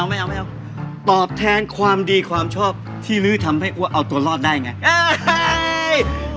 ไม่เอาไม่เอาตอบแทนความดีความชอบที่ลื้อทำให้อ้วเอาตัวรอดได้ไง